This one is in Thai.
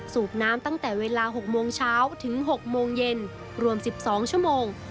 สูบน้ำตั้งแต่เวลา๖โมงเช้าถึง๖โมงเย็นรวม๑๒ชั่วโมง